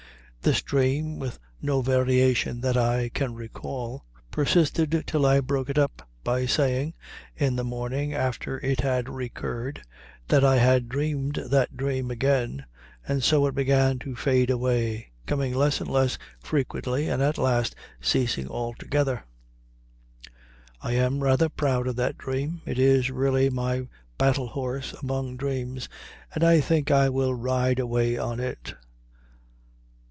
This dream, with no variation that I can recall, persisted till I broke it up by saying, in the morning after it had recurred, that I had dreamed that dream again; and so it began to fade away, coming less and less frequently, and at last ceasing altogether. I am rather proud of that dream; it is really my battle horse among dreams, and I think I will ride away on it.